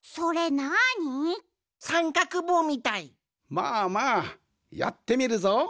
まあまあやってみるぞ。